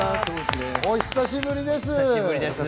お久しぶりです。